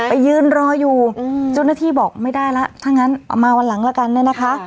ไปยืนรออยู่เจ้าหน้าที่บอกไม่ได้แล้วถ้างั้นเอามาวันหลังละกันเนี่ยนะคะ